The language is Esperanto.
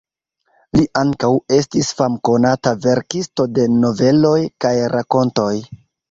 Li ankaŭ estis famkonata verkisto de noveloj kaj rakontoj.